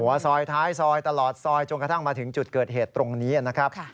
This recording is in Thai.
ว่าซอยท้ายซอยตลอดซอยจนกระทั่งมาถึงจุดเกิดเหตุตรงนี้นะครับ